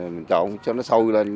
mình trộn cho nó sâu ra